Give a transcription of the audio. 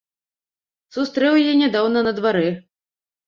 Сустрэў яе нядаўна на дварэ.